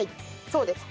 そうです。